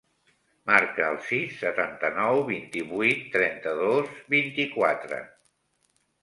Marca el sis, setanta-nou, vint-i-vuit, trenta-dos, vint-i-quatre.